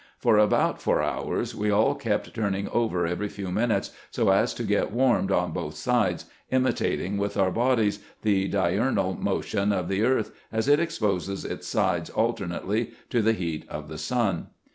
For about four hours we all kept turn ing over every few minutes so as to get warmed on both sides, imitating with our bodies the diurnal motion of the earth as it exposes its sides alternately to the heat of the sun.